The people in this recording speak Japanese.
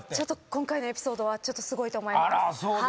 今回のエピソードはちょっとすごいと思います。